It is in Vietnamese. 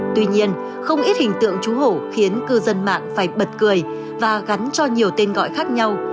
tuy nhiên không ít hình tượng trú hổ khiến cư dân mạng phải bật cười và gắn cho nhiều tên gọi khác nhau